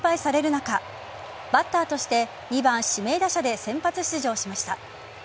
中バッターとして２番・指名打者で先発出場しました。